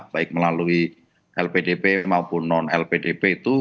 baik melalui lpdp maupun non lpdp itu